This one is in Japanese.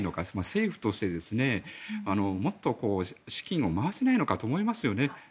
政府としてもっと資金を回せないのかと思いますよね。